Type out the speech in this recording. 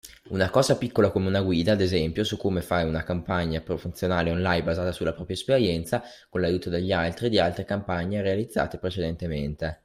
Una cosa piccola come una guida, ad esempio, su come fare una campagna promozionale online basata sulla propria esperienza, con l’aiuto degli altri e di altre campagne realizzate precedentemente.